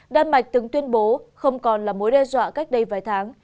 đan mạch từng tuyên bố không còn là mối đe dọa cách đây vài tháng